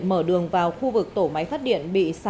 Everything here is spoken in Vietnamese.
mở đường vào khu vực tổ máy phát điện